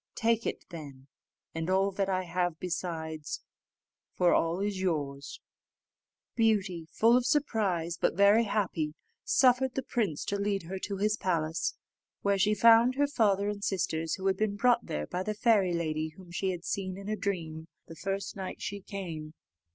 Take it then, and all that I have besides, for all is yours." Beauty, full of surprise, but very happy, suffered the prince to lead her to his palace, where she found her father and sisters, who had been brought there by the fairy lady whom she had seen in a dream the first night she came.